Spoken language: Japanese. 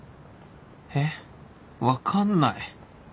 えっ分かんない